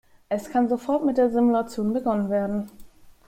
Es kann sofort mit der Simulation begonnen werden.